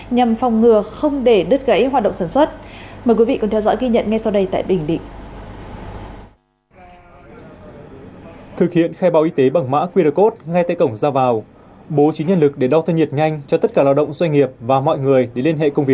nhằm bảo vệ sự an toàn với sức khỏe của hơn hai trăm linh lao động